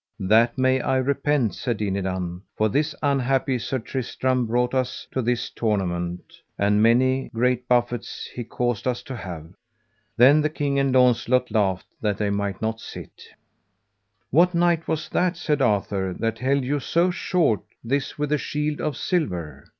That may I repent, said Dinadan, for this unhappy Sir Tristram brought us to this tournament, and many great buffets he caused us to have. Then the king and Launcelot laughed that they might not sit. What knight was that, said Arthur, that held you so short, this with the shield of silver?